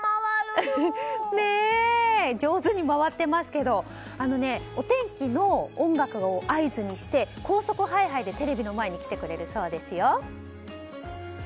上手に回ってますけどお天気の音楽を合図にして高速ハイハイでテレビの前に来てくれるそうですよ。